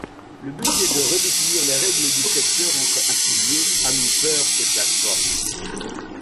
Le but est de redéfinir les règles du secteur entre affiliés, annonceurs et plateformes.